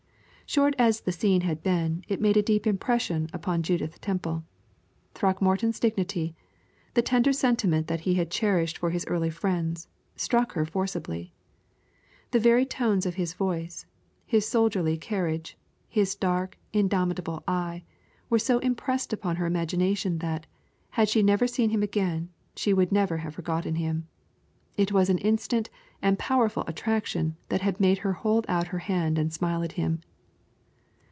Short as the scene had been, it made a deep impression upon Judith Temple. Throckmorton's dignity the tender sentiment that he had cherished for his early friends struck her forcibly. The very tones of his voice, his soldierly carriage, his dark, indomitable eye, were so impressed upon her imagination that, had she never seen him again, she would never have forgotten him. It was an instant and powerful attraction that had made her hold out her hand and smile at him.